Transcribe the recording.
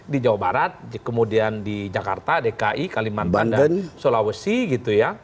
di jawa barat kemudian di jakarta dki kalimantan dan sulawesi gitu ya